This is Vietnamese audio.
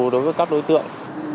đối với các đối tượng